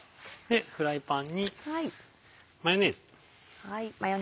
フライパンにマヨネーズ。